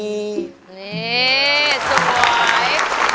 นี่สวย